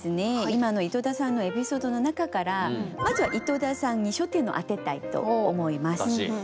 今の井戸田さんのエピソードの中からまずは井戸田さんに焦点を当てたいと思います。